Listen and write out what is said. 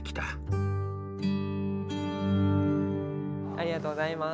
ありがとうございます。